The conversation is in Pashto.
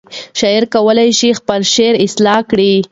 شاعر کولی شي خپل شعر اصلاح کړي.